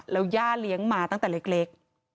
แล้วย่าเลี้ยงมาตั้งแต่เล็ก